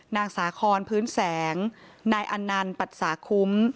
นางสาครพื้นแสงนายอันนัลปรัสสาคุ้ม